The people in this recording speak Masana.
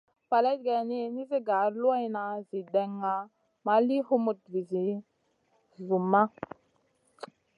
Faleyd geyni, nizi gar luanʼna zi dena ma li humutna vizi zumma.